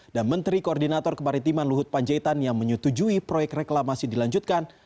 menteri koordinator kemaritiman luhut panjaitan yang menyetujui proyek reklamasi dilanjutkan